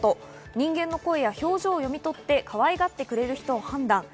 人間の声や表情を読み取ってかわいがってくれる人を判断。